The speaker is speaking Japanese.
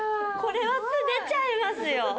これは素出ちゃいますよ。